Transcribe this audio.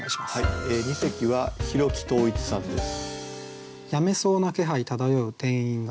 二席は広木登一さんです。